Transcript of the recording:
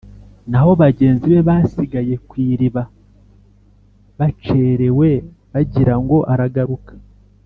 naho bagenzi be basigaye ku iriba bacerewe bagira ngo aragaruka,